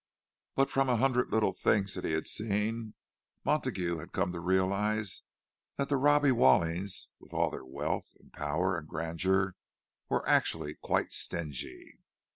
But from a hundred little things that he had seen, Montague had come to realize that the Robbie Wallings, with all their wealth and power and grandeur, were actually quite stingy.